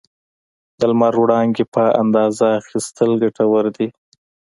د لمر وړانګې په اندازه اخیستل ګټور دي.